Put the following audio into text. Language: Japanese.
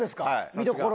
見どころ。